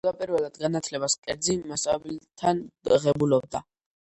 თავდაპირველად განათლებას კერძი მასწავლებლებთან ღებულობდა.